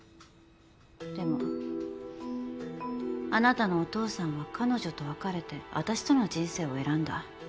でもあなたのお父さんは彼女と別れて私との人生を選んだ。